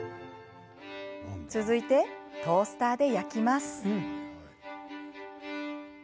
続いて、トースターで焼きます。